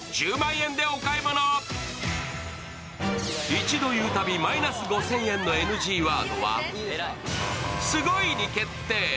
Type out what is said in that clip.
一度言うたびマイナス５０００円のＮＧワードは、すごいに決定。